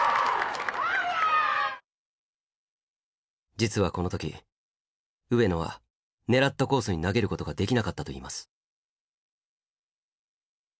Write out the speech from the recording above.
実はこの時上野は狙ったコースに投げることができなかったといいます。